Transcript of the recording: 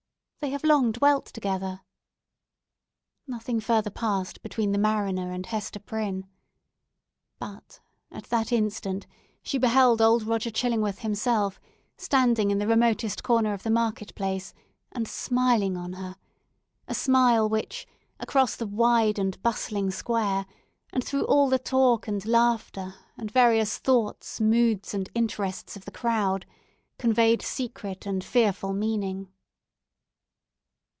"They have long dwelt together." Nothing further passed between the mariner and Hester Prynne. But at that instant she beheld old Roger Chillingworth himself, standing in the remotest corner of the market place and smiling on her; a smile which—across the wide and bustling square, and through all the talk and laughter, and various thoughts, moods, and interests of the crowd—conveyed secret and fearful meaning.